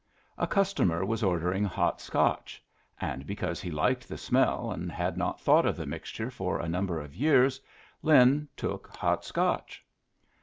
A customer was ordering Hot Scotch; and because he liked the smell and had not thought of the mixture for a number of years, Lin took Hot Scotch.